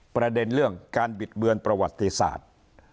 ประเด็นเรื่องการบิดเบือนประวัติศาสตร์